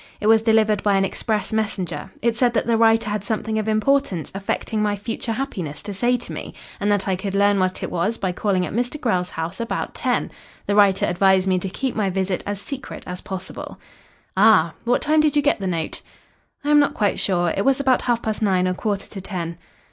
It was delivered by an express messenger. It said that the writer had something of importance affecting my future happiness to say to me, and that I could learn what it was by calling at Mr. Grell's house about ten. The writer advised me to keep my visit as secret as possible." "Ah! What time did you get the note?" "I am not quite sure. It was about half past nine or quarter to ten."